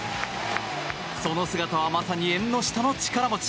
その姿はまさに縁の下の力持ち。